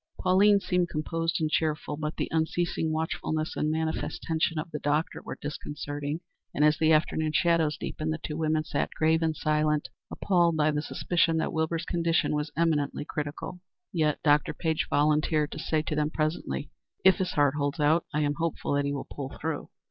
Pauline seemed composed and cheerful, but the unceasing watchfulness and manifest tension of the doctor were disconcerting, and as the afternoon shadows deepened, the two women sat grave and silent, appalled by the suspicion that Wilbur's condition was eminently critical. Yet Dr. Page volunteered to say to them presently: "If his heart holds out, I am hopeful that he will pull through."